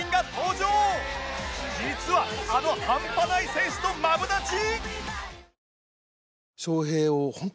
実はあの半端ない選手とマブダチ！？